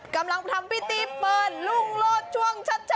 กำลังทำพิธีเปิดลุงโลศช่วงชัด